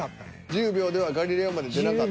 １０秒では「ガリレオ」まで出なかった？